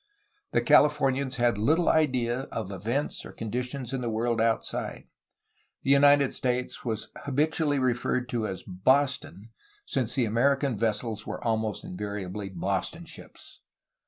The Californians had little idea of events or condi tions in the world outside. The United States was habitually referred to as ^ ^Boston,'' since the American vessels were almost invariably ' 'Boston ships.